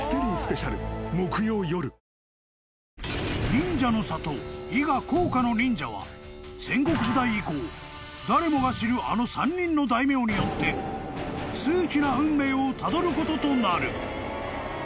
［忍者の里伊賀甲賀の忍者は戦国時代以降誰もが知るあの３人の大名によって数奇な運命をたどることとなる］